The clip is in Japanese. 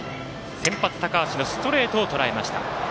先発、高橋のストレートをとらえました。